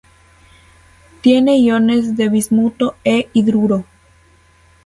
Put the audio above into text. Tiene iones de bismuto e hidruro.